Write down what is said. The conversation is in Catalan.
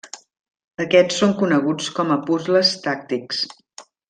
Aquests són coneguts com a puzles tàctics.